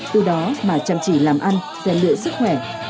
từ đó mà chăm chỉ làm ăn xem lựa sức khỏe